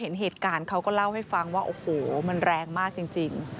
เห็นเหตุการณ์เขาก็เล่าให้ฟังว่าโอ้โหมันแรงมากจริง